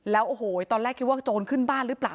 แล้วโอ้โหตอนแรกคิดว่าโจรขึ้นบ้านหรือเปล่า